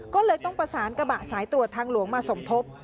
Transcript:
ก็เลยต้องประสานกระบะสายตรวจทางหลวงมาสมทบ